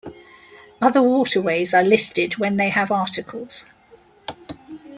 Other waterways are listed when they have articles.